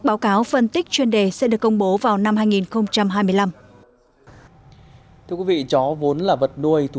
báo cáo phân tích chuyên đề sẽ được công bố vào năm hai nghìn hai mươi năm thưa quý vị chó vốn là vật nuôi thú